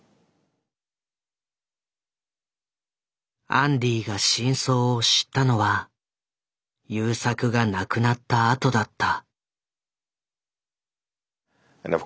アンディが真相を知ったのは優作が亡くなったあとだった。